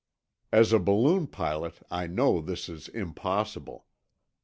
As a balloon pilot, I know this is impossible.